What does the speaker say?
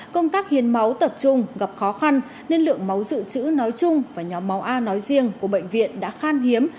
công tác hiến máu tập trung gặp khó khăn nên lượng máu dự trữ nói chung và nhóm máu a nói riêng của bệnh viện đã khan hiếm